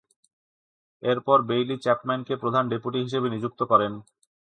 এরপর বেইলী চ্যাপম্যানকে প্রধান ডেপুটি হিসেবে নিযুক্ত করেন।